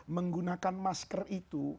menggunakan masker itu